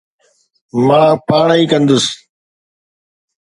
مان پاڻ ئي ڪندس